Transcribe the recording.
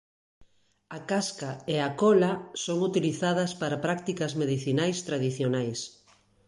A casca e a cola son utilizadas para prácticas medicinais tradicionais.